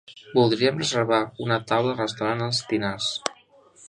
Voldríem reservar una taula al restaurant Els Tinars.